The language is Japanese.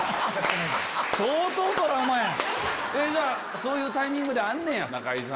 そういうタイミングであんねや。